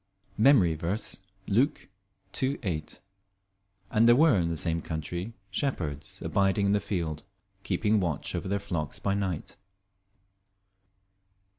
MEMORY VERSE, Luke 2: 8 "And there were in the same country shepherds abiding in the field, keeping watch over their flocks by night."